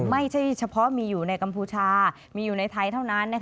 ไม่ใช่เฉพาะมีอยู่ในกัมพูชามีอยู่ในไทยเท่านั้น